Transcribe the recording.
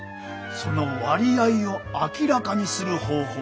その割合を明らかにする方法がございます。